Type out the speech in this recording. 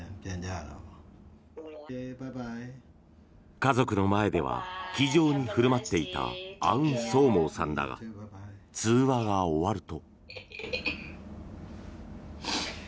家族の前では気丈に振る舞っていたアウンソーモーさんだが通話が終わると。